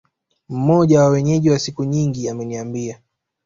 Mmoja wa Wenyeji wa siku nyingi ameniambia